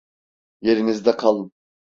Yerinizde kalın!